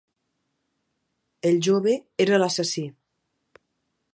El jove era l'assassí.